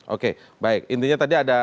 oke baik intinya tadi ada